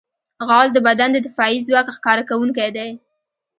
غول د بدن د دفاعي ځواک ښکاره کوونکی دی.